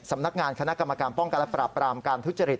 สำนักงานคณะกรรมการป้องกันและปราบปรามการทุจริต